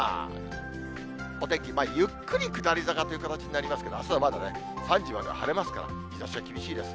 お天気、ゆっくり下り坂という形になりますけれども、あすはまだね、３時まで晴れますから、日ざしは厳しいです。